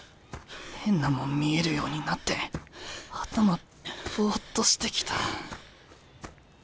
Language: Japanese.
変なもん見えるようになって頭ボッとしてきた。